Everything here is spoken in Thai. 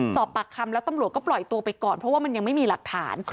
สอบปากคำแล้วตำรวจก็ปล่อยตัวไปก่อนเพราะว่ามันยังไม่มีหลักฐาน